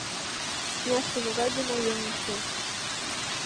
Тӱняште могай гына еҥ уке!